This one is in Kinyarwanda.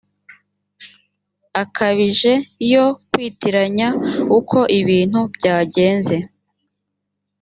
akabije yo kwitiranya uko ibintu byagenze